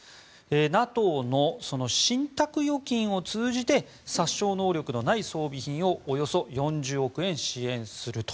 ＮＡＴＯの信託預金を通じて殺傷能力のない装備品をおよそ４０億円支援すると。